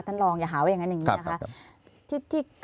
ท่านรองอย่าหาว่าอย่างนั้นอย่างนี้นะคะ